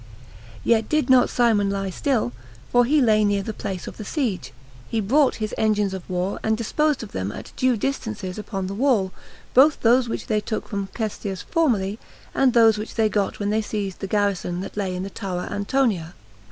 Yet did not Simon lie still, for he lay near the place of the siege; he brought his engines of war, and disposed of them at due distances upon the wall, both those which they took from Cestius formerly, and those which they got when they seized the garrison that lay in the tower Antonia.